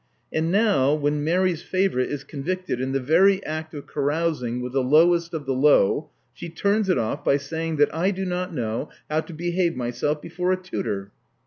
And now, when Mary's favorite is convicted in the very act of carousing with the lowest of the low, she turns it off by saying that I do not know how to behave myself before a tutor."